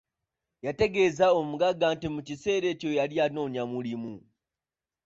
Yategeeza omugagga nti mu kiseera ekyo yali anoonya mulimu.